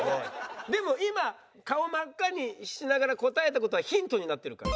でも今顔真っ赤にしながら答えた事はヒントになってるから。